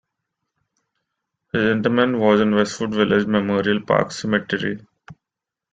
His interment was in Westwood Village Memorial Park Cemetery.